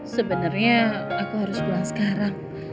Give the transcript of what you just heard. sebenarnya aku harus pulang sekarang